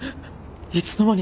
いつの間に？